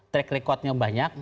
track recordnya banyak